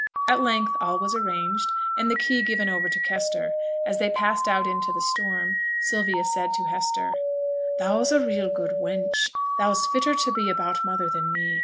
At length, all was arranged, and the key given over to Kester. As they passed out into the storm, Sylvia said to Hester, 'Thou's a real good wench. Thou's fitter to be about mother than me.